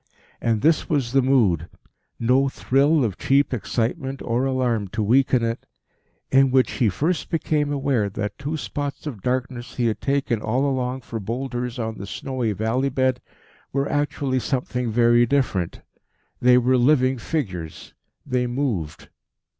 And this was the mood, no thrill of cheap excitement or alarm to weaken in, in which he first became aware that two spots of darkness he had taken all along for boulders on the snowy valley bed, were actually something very different. They were living figures. They moved.